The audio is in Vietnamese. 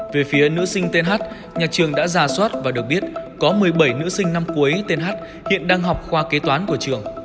về phía nữ sinh tên nhà trường đã giả soát và được biết có một mươi bảy nữ sinh năm cuối tên h hiện đang học qua kế toán của trường